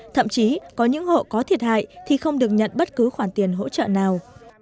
thậm chí có những hộ có thiệt hại thì không được nhận bất cứ khoản tiền hỗ trợ nào